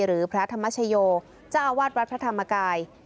หรือพระธรรมชโยเจ้าอาวาสวัดพระธรรมกาย